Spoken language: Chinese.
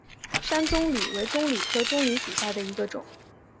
山棕榈为棕榈科棕榈属下的一个种。